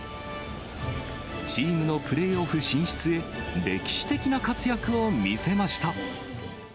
チームのプレーオフ進出へ、歴史的な活躍を見せました。